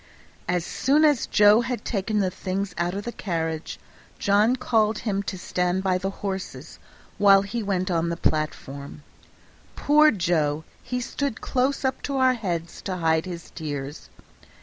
As soon as Joe had taken the things out of the carriage John called him to stand by the horses, while he went on the platform. Poor Joe! he stood close up to our heads to hide his tears.